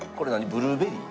ブルーベリー？